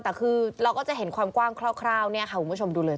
แต่คือเราก็จะเห็นความกว้างคร่าวเนี่ยค่ะคุณผู้ชมดูเลย